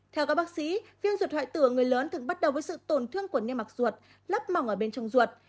theo các bác sĩ viêm ruột hoại tử người lớn thường bắt đầu với sự tổn thương của niêm mạc ruột lấp mỏng ở bên trong ruột